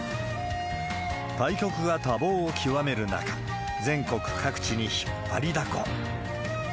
対局が多忙を極める中、全国各地に引っ張りだこ。